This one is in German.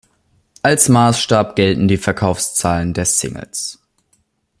Als Maßstab gelten die Verkaufszahlen der Singles.